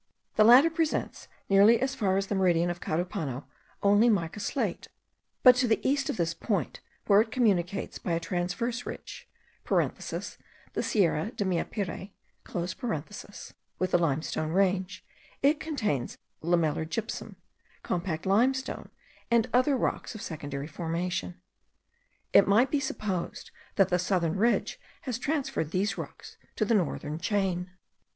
The latter presents, nearly as far as the meridian of Carupano, only mica slate; but to the east of this point, where it communicates by a transverse ridge (the Sierra de Meapire) with the limestone range, it contains lamellar gypsum, compact limestone, and other rocks of secondary formation. It might be supposed that the southern ridge has transferred these rocks to the northern chain.